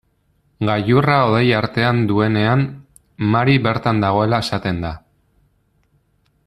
Gailurra hodei artean duenean, Mari bertan dagoela esaten da.